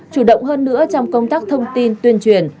chủ động hơn nữa trong công tác thông tin tuyên truyền